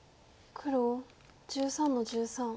黒１３の十三。